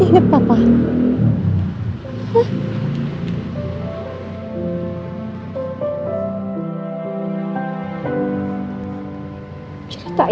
jangan lupa untuk mencari tahu